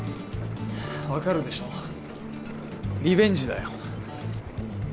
分かるでしょリベンジだよ